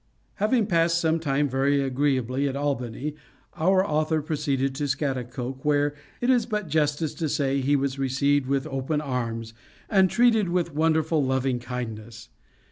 Having passed some time very agreeably at Albany, our author proceeded to Scaghtikoke; where, it is but justice to say, he was received with open arms, and treated with wonderful loving kindness.